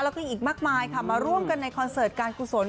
แล้วก็อีกมากมายค่ะมาร่วมกันในคอนเสิร์ตการกุศล